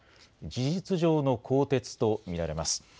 事実上の更迭と見られます。